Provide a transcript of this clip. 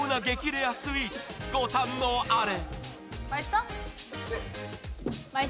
レアスイーツご堪能あれ